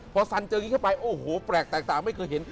พอทรัลเจออยู่ที่นี่เข้าไปแปลกต่างไม่เคยเห็น